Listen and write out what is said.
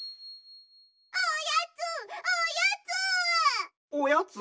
おやつおやつ！